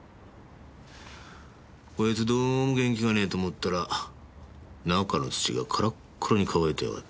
こいつどうも元気がねえと思ったら中の土がカラッカラに乾いてやがった。